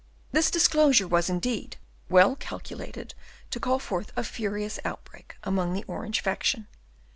This disclosure was, indeed, well calculated to call forth a furious outbreak among the Orange faction.